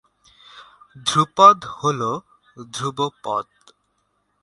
ধ্রুপদ অর্থ হলো ধ্রুব পদ।